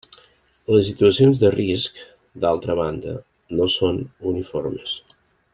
Les situacions de risc, d'altra banda, no són uniformes.